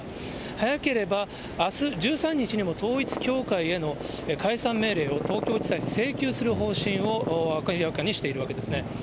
早ければあす１３日にも統一教会への解散命令を東京地裁に請求する方針を明らかにしているわけですね。